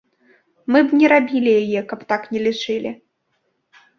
Мы б не рабілі яе, калі б так не лічылі.